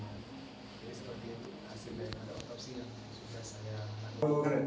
jadi seperti itu hasilnya yang ada otopsi yang sudah saya pandangkan